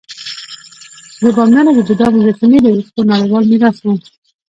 د بامیانو د بودا مجسمې د یونسکو نړیوال میراث وو